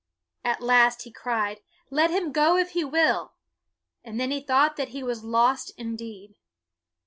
At last he cried, Let him go if he will"; and then he thought that he was lost indeed.